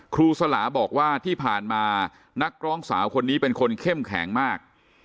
ครูสลาบอกว่าที่ผ่านมานักร้องสาวคนนี้เป็นคนเข้มแข็งมาก